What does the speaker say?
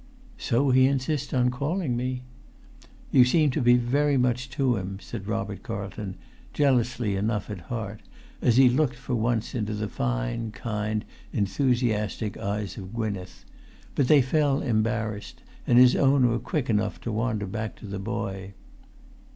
"So he insists on calling me." "You seem to be very much to him," said Robert[Pg 270] Carlton, jealously enough at heart, as he looked for once into the fine, kind, enthusiastic eyes of Gwynneth; but they fell embarrassed, and his own were quick enough to wander back to the boy.